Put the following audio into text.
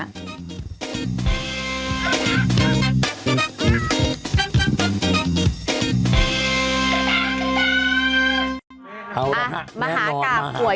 มหากราบหัวอิทธิพย์